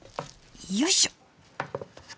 よいしょ！